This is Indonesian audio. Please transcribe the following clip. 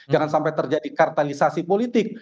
jangan sampai terjadi kartalisasi politik